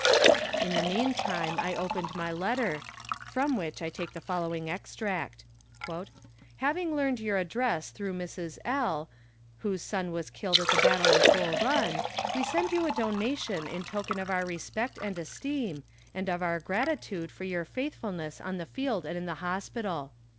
In the meantime I opened my letter, from which I make the following extract: "Having learned your address through Mrs. L , whose son was killed at the battle of Bull Run, we send you a donation in token of our respect and esteem, and of our gratitude for your faithfulness on the field and in the hospital."